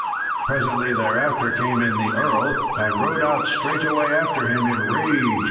Presently thereafter came in the earl, and rode out straightway after him in rage.